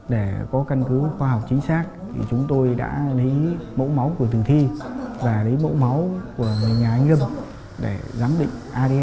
dạ vâng vâng anh chờ em tí nhé em qua ngay rồi